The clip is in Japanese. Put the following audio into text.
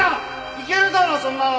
いけるだろそんなの！